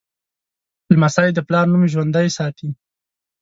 لمسی د پلار نوم ژوندی ساتي.